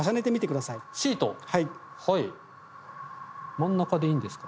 真ん中でいいんですか？